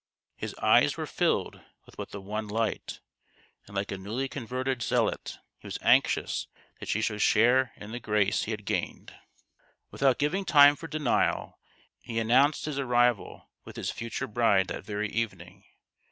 His eyes were filled with 11 i68 THE GHOST OF THE PAST. but the one light ; and like a newly converted zealot he was anxious that she should share in the grace he had gained. Without giving time for denial, he announced his arrival with his future bride that very evening.